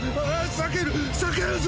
裂けるぞ！